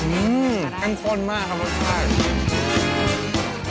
อื้อแป้งข้นมากครับครับท่าน